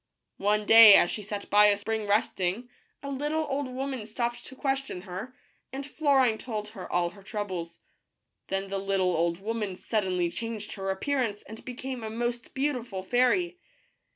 One day, as she sat by a spring resting, a little old woman stopped to question her, and Florine told her all her troubles. Then the little old woman suddenly changed her appearance and became a most beautiful fairy.